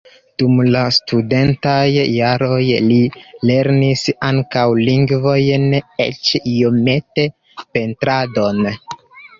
Dum la studentaj jaroj li lernis ankaŭ lingvojn, eĉ iomete pentradon.